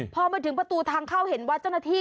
พอมาถึงประตูทางเข้าเห็นว่าเจ้าหน้าที่